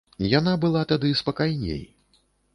Яна была тады спакайней.